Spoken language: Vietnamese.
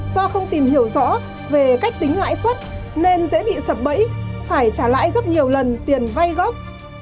do không tìm hiểu rõ về cách tính lãi suất nên dễ bị sập bẫy phải trả lãi gấp nhiều lần tiền vay gốc